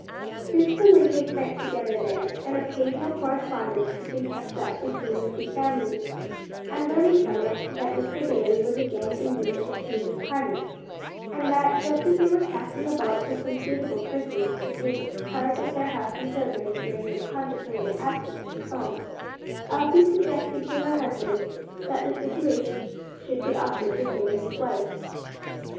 Since the winter spent together there, an occasional correspondence had been kept up between the two families, and learning from it, that Mr. Daly was again in need of a change of climate, and that, just as they were casting about for some suitable persons to take charge of their house and children during their contemplated absence from home, Elsie suggested to her husband that the situations should be offered to him and his wife.